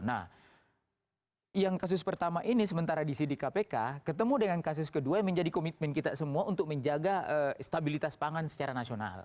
nah yang kasus pertama ini sementara di sidik kpk ketemu dengan kasus kedua yang menjadi komitmen kita semua untuk menjaga stabilitas pangan secara nasional